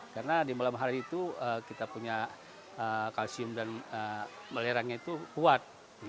karena di malam hari kita punya kalsium dan balerang yang kuat